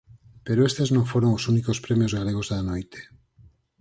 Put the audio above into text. Pero estes non foron os únicos premios galegos da noite.